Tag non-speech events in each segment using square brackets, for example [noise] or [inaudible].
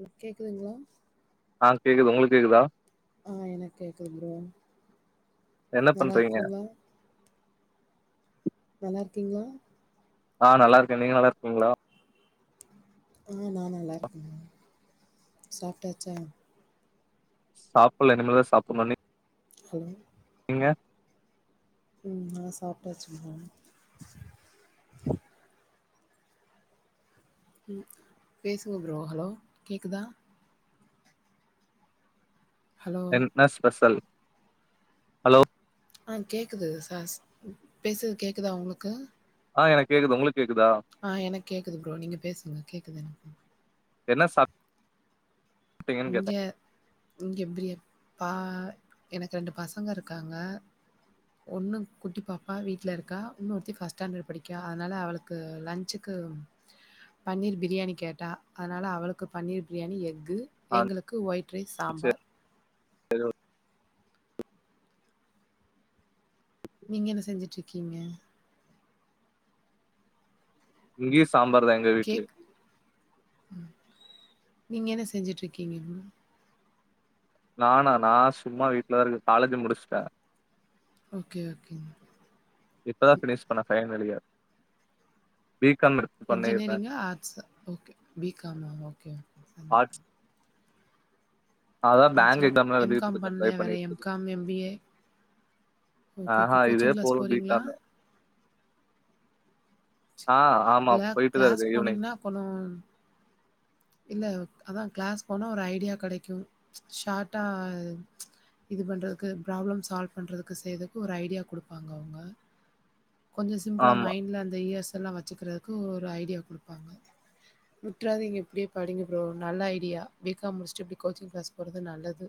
ம் கேக்குதுங்ளா ஆ கேக்குது உங்களுக் கேக்குதா ஆ எனக் கேக்குது ஃப்ரோ என்ன பண்றீங்க நல்லாருக்கீங்ளா நல்லாருக்கீங்ளா ஆ நல்லாருக்கே நீங்க நல்லாருக்கீங்ளா ஆ நா நல்லாருக்கே சாப்டாச்சா சாப்புல இனிமேதா சாப்புட்னு நீ ஹலோ நீங்க ம் நா சாப்டாச்சுமா ம் பேசுங்க ப்ரோ ஹலோ கேக்குதா ஹலோ என்ன ஸ்பெஷல் ஹலோ ஆ கேக்குது சாஸ் பேசது கேக்குதா உங்களுக்கு ஆனா எனக்கு கேக்குது உங்ளுக்கு கேக்குதா ஆ எனக்கு கேக்குது ஃப்ரோ நீங்க பேசுங்க கேக்குது எனக் என்ன சாப் இங்க இங்க பிரி பா எனக்கு ரெண்டு பசங்க இருக்காங்க ஒன்னு குட்டி பாப்பா வீட்ல இருக்கா இன்னொருத்தி ஃபஸ்ட் ஸ்டாண்டர் படிக்கா அதனால அவளு க்கு லன்சுக்கு பன்னீர் பிரியாணி கேட்டா அதனால அவளுக்கு பன்னீர் பிரியாணி எக்கு ஆ எங்ளுக்கு ஒயிட் ரைஸ் சாம்பார் செரி ஓக் நீங்க என்ன செஞ்சுட் இருக்கீங்க இங்கயு சாம்பார் தாங் கேக் நீங்கள் என்ன செஞ்சுட்டிருக்கீங்க நானா நா சும்மா வீட்லதா இருக்கே காலேஜ் முடிச்ட்டே ஓகே ஓகேங்க இப்பதா ஃபினிஷ் பண்ண ஃபைன்லலியர் பி காம் பண்ணிருந்தேன் இன்ஜினியரிங்கா ஆர்ட்ஸ் ஓகே பி காமா ஓகே ஓகே ஆட்ஸ் அதா ஆர்ட்ஸ் பேங்க் ஓகே. எக்ஸாம்லா எழுதிட் எம்.காம் இருக்கே ட்ரை பண்ணலையா? வேற பண்ணிட்டிருக்கே எம்.காம், எம்.பி.ஏ? ஓகே, ஆஹ ஓகே. இதே கோச்சிங் கிளாஸ் போது போறீங்களா? [unintelligible] ஆ ஆமா இல்ல போயிட்டுதான் க்ளாஸ் இருக்கேன் ஈவினிங் போனீங்கனா கொ [unintelligible] இல்ல அதா கிளாஸ் போனா ஒரு ஐடியா கெடைக்கு ஷாட்டா இது பண்றதுக்கு ப்ராப்ளம் சால்வ் பண்றதுக்கு செய்துக்கு ஒரு ஐடியா குடுப்பாங்க அவுங்க கொஞ்ச சிம்பிளா ஆமா மைண்ட்ல அந்த இயர்ஸ்ஸல்லா வெச்சுக்குறக்கு ஒரு ஐடியா குடுப்பாங்க வுற்றாதீங்க இப்டியே படிங்க ஃப்ரோ நல்ல ஐடியா பி காம் முடிச்ட்டு இப்டி கோச்சிங் க்ளாஸ் போறது நல்லது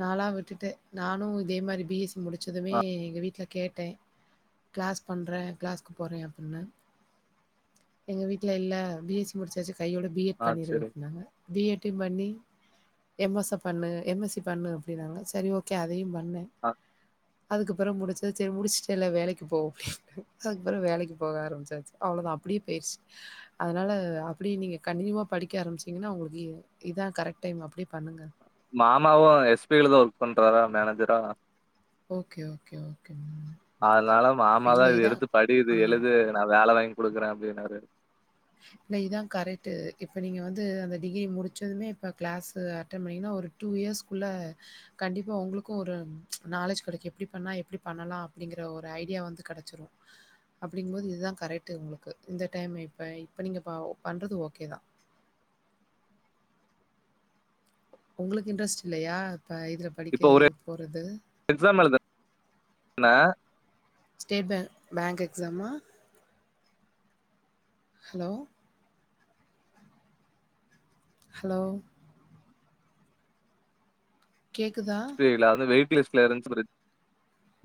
நாலா விட்டுட்டே நானு இதே மாறி பி எஸ் சி முடிச்சதுமே ஆ எங்க வீட்ல கேட் ட்டே க்ளாஸ் பண்றே க்ளாஸ்கு போறே அப்பின்னு எங்க வீட்ல இல்ல பி எஸ் சி முடிச்சாச்சு கையோட பி எட் ஆ பண்ணிரு சரி அப்டினாங்க பி எட் டியு பண்ணி எம் எஸ் பண்ணு எம் எஸ் சி பண்ணு அப்டினாங்க செரி ஓகே அதையு பண் ணே ஆ அதுக்கப்றோ முடிச்ச செரி முடிச்ட்டல்ல வேலைக்கு போ அதுக்கப்றோ வேலைக்கு போக ஆரம்பிச்சாச்சு அவ்ளோதா அப்டியே போயிருச்சு அதனால அப்டி நீங்க கண்டினீயூவா படிக்க ஆரம்பிச்சீங்னா உங்ளுக்கு இ இதா கரெக்ட் டைம் அப்டியே பண்ணுங்க மாமாவு எஸ் பி ஐ தா ஒர்க் பண்றாறா மேனேஜரா ஓகே ஓகே ஓகே ம் அதனால மாமா தா இது எடுத்து படி இது ஆ. எழுது நா வேல வாங்கி குடுக்றே அப்டினாரு இல்ல இதா கரெக்டு இப்ப நீங்க வந்து அந்த டிகிரி முடிச்சதுமே இப்ப கிளாஸூ அட்டன் பண்ணீங்னா ஒரு டூ இயர்ஸ் குள்ள கண்டிப்பா உங்ளுக்கு ஒரு நாலேஜ் கெடைக்கு எப்டி பண்ணா எப்டி பண்ணலா அப்டிங்கற ஒரு ஐடியா வந்து கெடச்சிரு அப்டிங்கும்போது இதுதா கரெக்ட்டு உங்ளுக்கு இந்த டைம் இப்ப இப்ப நீங்க பண்றது ஓகே தா உங்ளுக்கு இன்ட்ரெஸ்ட் இல்லையா இப்ப இதுல இப்ப படிக்க ஒரு போறது எக்ஸாம் எழுத ந ஸ்டேட் பேங்க் பேங்க் எக்ஸாமா ஹலோ ஹலோ கேக்குதா புரில வெயிட்டுலிஸ்ல இருந்ச்சி சொல்லி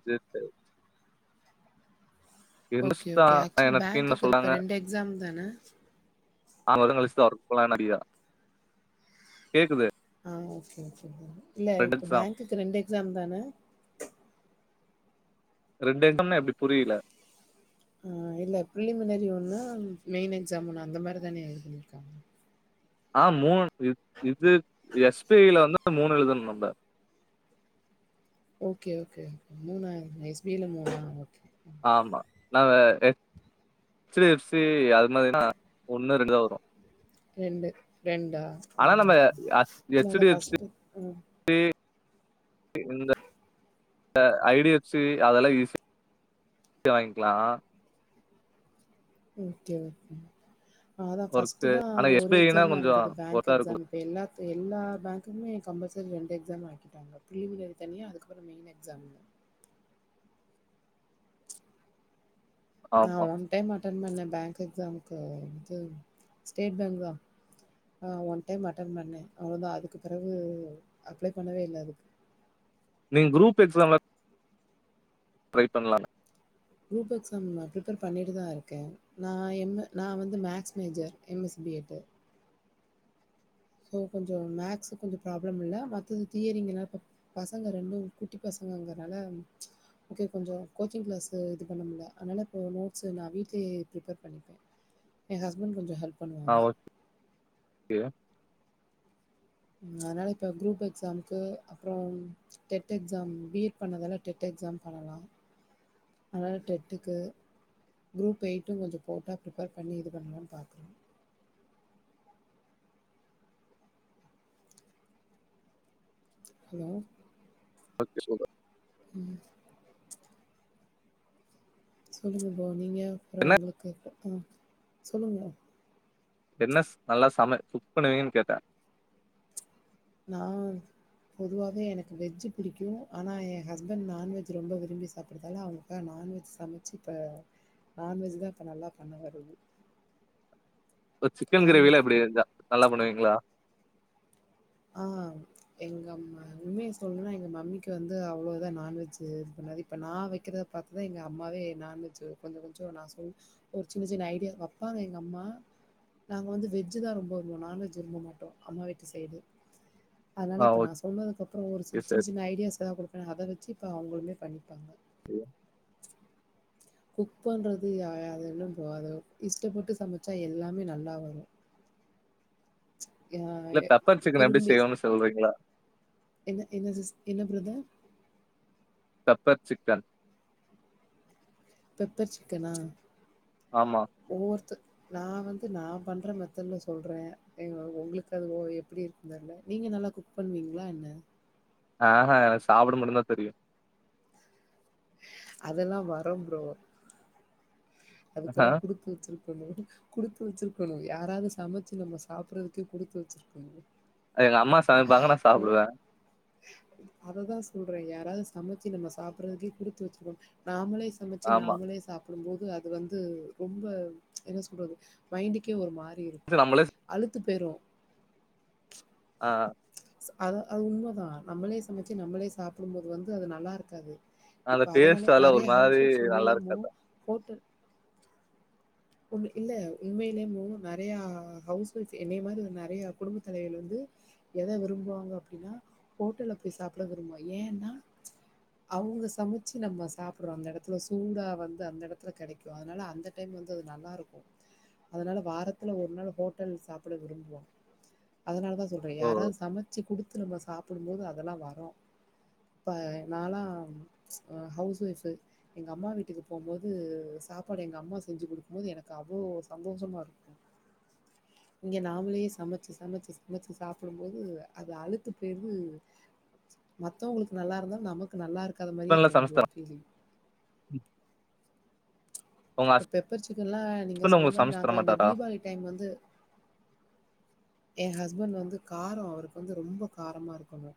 சேர் சேர் ஓகே, இர்ந்துஸ்தா ஓகே. அ ஆக்சுவலி எனக்கு டீம்ல பேங்க்குக்கு இப்ப சொன்னாங்க எக்ஸாம் தான? நாலு வாரோ கலிஸ்தா அவர் போலான் அடியா கேக்குது ஆ ஓகே ஓகே ப்ரோ இல்ல ரெண்டு இப்ப எக்ஸாம் பேங்குக்கு ரெண்டு எக்ஸாம்தான ரெண்டு எக்ஸாம்னா எப்டி புரில ஆ இல்ல பிலிமினரி ஒன்னு மெய்ன் எக்ஸாம் ஒன்னு அந்த மாரிதான இது பண்ணிருக்காங்க ஆ மூணு இ இது எஸ் பி ஐ ல வந்து மூணு எழுதணு நம்ம ஓகே ஓகே ஓகே மூணா எஸ் பி ஐ ல மூணா ஓகே ஆமா நாங்க ஹெச் டி எஃப் சி அது மாரினா ஒன்னு ரெண்டுதா வரு ரெண்டு ரெண்டா ஆ ஆனா நம்ம இதுல ஃபஸ்ட்டு ம் து இந்த அ ஐ டி எஃப் சி அதெல்லா ஈஸி யா வாய்ங்கிலா ஓகே ஓகே அதா ஒர்க்கு ஃபஸ்ட்டுதா ஆனா எஸ் ஒரு பி ஐ னா எக்ஸாமா கொஞ்சோ இருந்தது பேங்க் ஒர்த்தா இருக்கு எக்ஸாமுக்கு இப்ப எல்லாத் எல்லா பேங்குக்குமே கம்பல்சரி ரெண்டு எக்ஸாம் ஆக்கிட்டா ங்க ப்ளீமினரி தனியா அதுக்கப்புறோ மெயின் எக்ஸாம்ல ஆமா நான் ஒன் டைம் அட்டன் பண்ண பேங்க் எக்ஸாம்க்கு இது ஸ்டேட் பேங்க்தா அ ஒன் டைம் அட்டன் பண்ணே அவுள்தா அதுக்கு பிறவு அப்ளை பண்ணவே இல்ல அதுக்கு நீங் குரூப் எக்ஸாம்லா அப்ளை பண்லால குரூப் எக்ஸாம் நா பிரிப்பர் பண்ணிட்டுதா இருக்கே நான் எம் நான் வந்து maths major M S B Ed அப்போ கொஞ்சோ மேக்ஸு கொஞ்சோ பிராப்ளம் இல்ல மத்தது தியரிங்குனா இப்போ பசங்க ரெண்டூ குட்டி பசங்கங்கற்னால இங்கே கொஞ்சோ கோச்சிங் கிளாஸு இது பண்ணமுட்ல அதுனால இப்போ நோட்ஸு நான் வீட்லியே பிரிப்பர் பண்ணிப்பே ஏன் ஹஸ்பண் கொஞ்சோ ஹெல்ப் ஆ ஓ கே ம் அதுனால இப்ப குரூப் எக்ஸாம்க்கு அப்றோ டெட் எக்ஸாம் பி எட் பண்ணதால டெட் எக்ஸாம் பண்ணலா அதுனால டெட்டுக்கு குரூப்பெய்ட்டு கொஞ்சோ போட்டா பிரிப்பர் பண்ணி இது பண்ணலான் பாக்குறே ஹலோ ஓகே சூப்பர் ம் சொல்லுங்க ப்ரோ நீங்க அப்றோ என்ன உங்களுக்கு ம் சொல்லுங்க என்னஸ் நல்லா சம குக் பண்ணுவீங்கன் கேட்ட நா வந்து பொதுவாவே எனக்கு வெஜ் பிடிக்கு ஆனா என் ஹஸ்பண்டு நான்வெஜு ரொம்ப விரும்பி சாப்புடுதால அவ்ங்ளுக் கா நான்வெஜ் சமச்சு இப்ப நான்வெஜுதா இப்ப நல்லா பண்ண வருது சிக்கன் கிரேவிலா நான்வெஜ் எப்டி எல்லா நல்லா பண்ணுவீங்ளா ஆ எங்க அம்மா உண்மைய சொல்ணுனா எங்க மம்மிக்கு வந்து அவ்ளோ இதா நான்வெஜு இது பண்ணாது இப்ப நான் வைக்கிறத பாத்துதா எங்க அம்மாவே நான் வெஜ்ஜு கொஞ்சோ கொஞ்சோ நான் சொல் ஒரு சின்ன சின்ன ஐடியா வப்பாங்க எங்க அம்மா நாங்க வந்து வெஜ் தா ரொம்ப விரும்புவோ நான் வெஜ் விரும்ப மாட்டோ அம்மா வீட்டு சைடு அதனால ஆ இப்போ நா சொன்னதுக்கப்புறோ ஒரு சி ஓகே சின்ன சரி சின்ன ஐடியாஸ் எதா கொடுக்குற அத வெச்சு இப்போ அவங்களுமே பண்ணிப்பாங்க [unintelligible] குக் பண்ணுறது யா அது இல்ல ப்ரோ அது இஷ்டப்பட்டு சமைச்சா எல்லாமே நல்லா வரு அ இல்ல பெப்பர் அ சிக்கன் எப்டி திரும்பி செய்வோன்னு சொல்றீங்களா என்ன என்ன சிஸ் என்ன பிரதர் பெப்பர் சிக்கன் பெப்பர் சிக்கனா ஆமா ஒவ்வொருத நா வந்து நா பண்ற மெதட்ல சொல்றே உங்களுக்கு அது ஓ எப்டி இருக்கு தெல்ல நீங்க நல்லா குக் பண்ணுவீங்களா என்ன ஆஹா எனக்கு சாப்பிட மட்டு தா தெரியு அதெல்லா வரு ப்ரோ ஆஹா அதுக்கெல்லா குடு த்து வெச்சிருக்கணு குடுத்து வெச்சிருக்கணு யாராது சமச்சு நம்ம சாப்புடுறதுக்கே குடுத்து வெச்சிருக்கணு எங்க அம்மா சமைப்பாங்க நா சாப்டுவே அததா சொல்றே யாராது சமச்சு நம்ம சாப்புடுறதுக்கே குடுத்து வெச்சிருக்கனு நாமளேச் சமச்சு ஆமா நாமளே சாப் புடும்போது அது வந்து ரொம்ப என்ன சொல்றது மைண்டுக்கே ஒரு மாரி இரு ச நம்மலேச் அழுத்து போய்றுவ ஆ அது அது உண்மதா நம்மளே சமச்சு நம்மளே சாப்புடும் போது வந்து அது நல்லா இருக்காது அந்த இப்ப அதனால டேஸ்ட் அதெல்லா ஒரு நெறைய மாரி ஹவுஸ்ஸ்வுமே நல்லா நெ போ இருக்காதா ஹோட்டல் உண் இல்ல உண்மையில ப்ரோ நறைய ஹவுஸ் ஓயப் என்னைய மாரி நெறைய குடும்ப தலைவிகள் வந்து எத விரும்புவாங்க அப்டின்னா ஹோட்டல்ல போய் சாப்புட விரும்புவோ ஏன்னா அவுங்க சமச்சு நம்ம சாப்புடுறோ அந்த எடத்துல சூடா வந்து அந்த எடத்துல கெடைக்கு அதுனால அந்த டைம் வந் து நல்லா இருக்கு அதனால வாரத்துல ஒரு நாள் ஹோட்டல்ல சாப்புட விரும்புவோ அதனால தா சொல்றே ஓ யாராது சமச்சு குடுத்து நம்ம சாப்புடும் போது அதெல்லா வரோ இப்ப நாலா அ ஹவுஸ் ஒய்ஃபு எங்க அம்மா வீட்டுக்கு போம்போது சாப்பாடு எங்க அம்மா செஞ்சு குடு போது எனக்கு அவ்ளோ சந்தோஷமா இருக்கு இங்க நாமளேயே சமச்சு சமச்சு சமச்சு சாப்புடும் போது அது அழுத்து போயிந்து மத்தவங்களுக்கு நல்லா இருந்தாலு நமக்கு நல்லா இருக்காத மாரியே தோணது ஒரு கேள்வி ம் இப்ப பெப்பர் சிக்கன்ல்லா நீங்க ஹஸ்பண்ட் சொன்ன உங்களுக்கு மாரி சமச்சு தர நாங்க இந்த மாட்டாரா தீபாவளி டைம் வந்து எ ஹஸ்பண்ட் வந்து காரோ அவருக்கு வந்து ரொம்ப காரமா இருக்கணு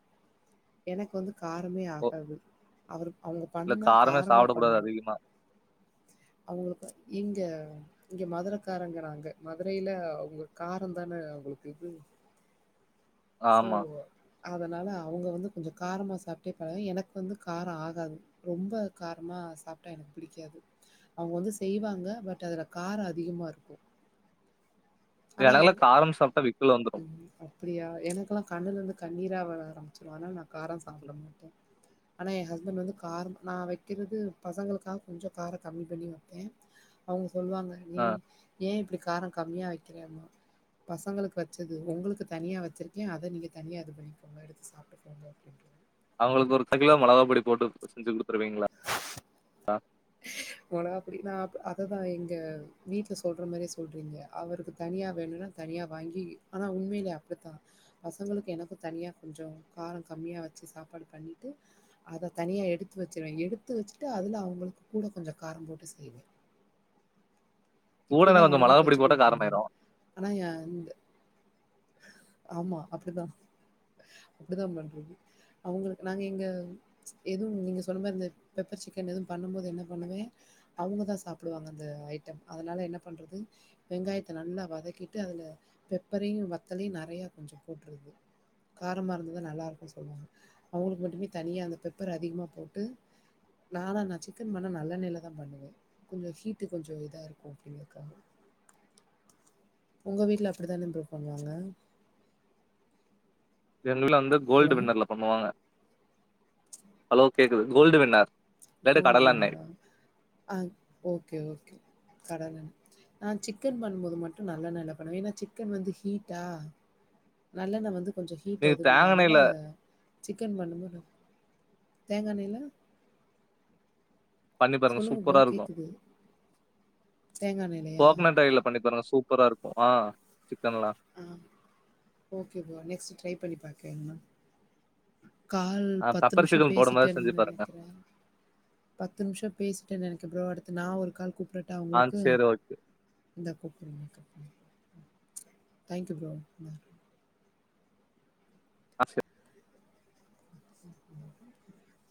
எனக்கு வந்து காரமே ஓ ஆகாது அவர் அவங்க இல்ல பண்ணா காரமே காரமா சாப்பிடக் கூடாது பண்ணு அதிகமா. அவங்களுக்கு எங்க இங்க மதுர காருங்குறாங்க மதுரையில உங்க காரோ தானே உங்களுக்கு இது சோ ஆமா. அதனால அவங்க வந்து கொஞ்சொ காரமா சாப்ட்டே பழகி எனக்கு வந்து கார ஆகாது ரொம்ப காரமா சாப்ட்டா எனக்கு பிடிக்காது அவுங் வந்து செய்வாங்க பட் அதுல காரோ அதிகமா இருக்கு எனக்குலா காரம் சாப்ட்டா விக்கல் வந்துரு அப்டியா எனக்குலா கண்ணுலர்ந்து கண்ணீரா வர ஆரம்பிச்சிரு அதுனால் நா காரம் சாப்ட மாட்டே ஆனா எ ஹஸ்பண்ட் வந்து காரம் நா வெக்கிறது பசங்களுக்காக கொஞ்சோ காரோ கம்மி பண்ணி வெப்பே அவங்க சொல்வாங்க நீ அ ஏ இப்டி காரோ கம்மியா வெக்கிறம்பா பசங்களுக் வச்சது உங்களுக்கு தனியா வச்சிருக் கே அத நீங்க தனியா இது பண்ணிக்கோங்க எடுத்து சாப்ட்டுக்கோங்க அப்டின்ருவே அவுங்களுக்கு ஒரு [unintelligible] மொளகா பொடி போட்டு செஞ்சு குடுத்துருவீங்ளா [inaudible] மொளகா பொடி நா அப்ப அத தா எங்க வீட்ல சொல்ற மாரியே சொல்றீங்க அவருக்கு தனியா வேணுனா தனியா வாங்கி ஆனா உண்மைலே அப்டித்தா பசங்களுக்கு எனக்கு தனியா கொஞ்சோ காரோ கம்மியா வச்சு சாப்பாடு பண்ணிட்டு அத தனியா எடுத்து வச்சருவே எடுத்து வச்சுட்டு அதுல அவங்களுக்கு கூட கொஞ்சோ காரோ போட்டு செய்வே கூடவே இப்பிடிதா கொஞ்சம் மிளகா அவங்களுக் பொடி வச்சு போட்டா குடுப்பே நானு காரமாயிரும். ஆனா ஏ இந்த ஆமா அப்டிதா அப்டிதா பண்றது அவங்களுக்கு நாங்க எங்க எதுவு நீங்க சொன்ன மாரி இந்த பெப்பர் சிக்கன் எதுவு பண்ணம் போது என்ன பண்ணுவே அவுங்கதா சாப்டுவாங்க அந்த ஐட்டம் அதனால என்ன பண்றது வெங்காயத்த நல்லா வதக்கிட்டு அதுல பெப்பரையு வத்தலையு நறையா கொஞ்சோ போட்ருது காரமா இருந்ததா நல்லார்க்குன் சொல்வாங்க அவுங்களுக்கு மட்டு தனியா அந்த பெப்பர அதிகமா போட்டு நானா நா சிக்கன் பண்ணா நல்லெண்ணைல தா பண்ணுவே கொஞ்சோ ஹீட்டு கொஞ்சோ இதா இருக் கு அப்டிங்கறக்காக உங்க வீட்ல அப்டி தான ப்ரோ பண்வாங்க எங்க வீட்ல வந்து ஹலோ கோல்டு வின்னர்ல பண்ணுவாங்க அலோ கேக்குது கோல்டு வின்னர் இல்லாட்டி கோல் கடலெண்ணெய். வின்னரா ஆ ஓகே ஓகே கடலெண்ண நா சிக்கன் பண்ணும்போது மட்டு நல்லெண்ணைல பண்ணுவே ஏனா சிக்கன் வந்து ஹீட்டா நல்லெண்ண வந்து கொஞ்சோ ஹீட்ட நீங்க இது பண்ணு தேங்கா அதுனால எண்ணெய்ல சிக்கன் பண்ணும்போது தேங்கெண்ணைல பண்ணி பாருங்க சொல்லுங்க ப்ரோ சூப்பரா இருக்கு கேக்குது தேங்கா எண்ணெய்லயா கோக்னட் ஆயில்ல பண்ணி பாருங்க சூப்பரா இருக்கு ஆ சிக்கன்லா ஆ ஓகேப்பா நெக்ஸ்ட்டு ட்ரை பண்ணி பாக்கறேம்பா கால் அ பத்து பெப்பர் நிம்ஷோ சிக்கன் போடும்போது பேசிட்டேன் செஞ்சு பாருங்க. நெனைக்கிறே பத்து நிம்ஷோ பேசிட்டே நெனைக்கற ப்ரோ அடுத்து நா ஒரு கால் கூப்டட்டா ஆ உங்களுக்கு சரி ஓகே. இந்தா கூப்பட்ற நீங்க கட் பண்ணுங் ஆ தேங்க்யூ ப்ரோ இந்தா ஆ சரி. [inaudible]